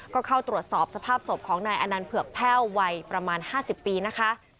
ก็เข้าตรวจสอบสภาพศพของนายอนันต์เผือกแพ่ววัยประมาณ๕๐ปีนะคะ